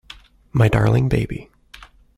My darling baby.